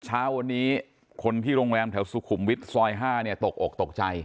เช้าวันนี้คนที่โรงแรมแถวสุขุมวิทย์ซอย๕เนี่ยตกอกตกใจ